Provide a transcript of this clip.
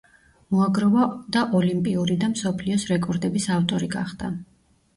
მოაგროვა და ოლიმპიური და მსოფლიოს რეკორდების ავტორი გახდა.